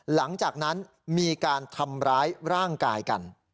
หลังจากนั้นมีการทำร้ายร่างกายกัน